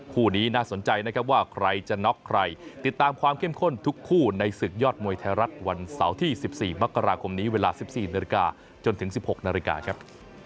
คู่นี้น่าสนใจนะครับว่าใครจะน็อกใครติดตามความเข้มข้นทุกคู่ในศึกยอดมวยไทยรัฐวันเสาร์ที่๑๔มกราคมนี้เวลา๑๔นาฬิกาจนถึง๑๖นาฬิกาครับ